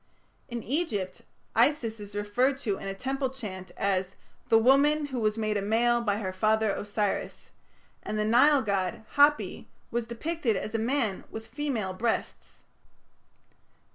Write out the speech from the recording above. In Egypt Isis is referred to in a temple chant as "the woman who was made a male by her father Osiris", and the Nile god Hapi was depicted as a man with female breasts.